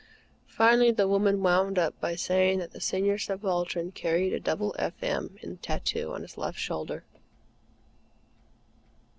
Finally, the woman wound up by saying that the Senior Subaltern carried a double F. M. in tattoo on his left shoulder.